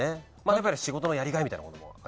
やっぱり仕事のやりがいみたいなものも。